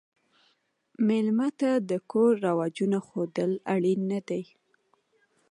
مېلمه ته د کور رواجونه ښودل اړین نه دي.